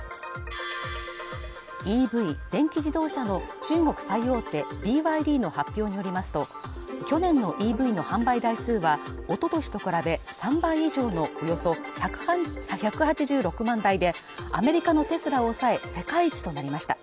ＥＶ＝電気自動車の中国最大手ＢＹＤの発表によりますと去年のＥＶの販売台数はおととしと比べ３倍以上のおよそ１８６万台でアメリカのテスラを抑え世界一となりました